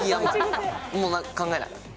もう考えない。